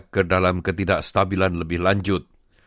ke dalam ketidakstabilan lebih lanjut